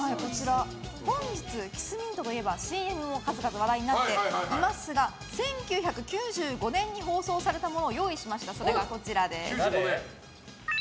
キスミントといえばＣＭも数々話題になっていますが１９９５年に放送されたものを用意しました。